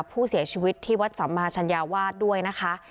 ผู้เสียชีวิตที่วัดสัมมาชัญญาวาสด้วยนะคะ